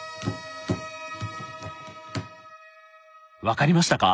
分かりましたか？